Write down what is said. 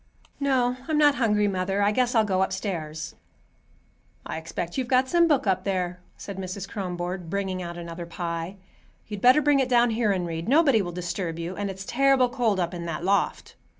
"No, I'm not hungry, mother. I guess I'll go upstairs." "I expect you've got some book up there," said Mrs. Kronborg, bringing out another pie. "You'd better bring it down here and read. Nobody'll disturb you, and it's terrible cold up in that loft."